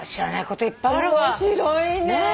面白いね。